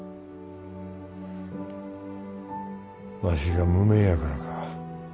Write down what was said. わしが無名やからか。